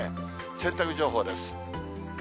洗濯情報です。